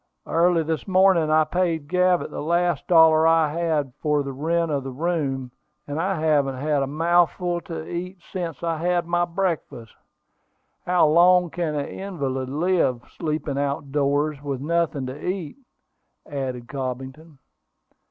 "Early this morning I paid Gavett the last dollar I had for the rent of the room; and I haven't had a mouthful to eat since I had my breakfast. How long can an invalid live, sleeping out doors, with nothing to eat?" added Cobbington.